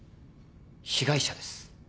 被害者です。